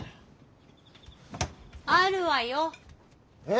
あるわよ。え？